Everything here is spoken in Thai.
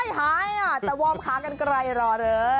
ไม่หายแต่วอมขากันก็ไรหรอกเลย